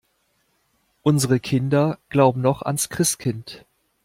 Unsere Kinder glauben noch ans Christkind.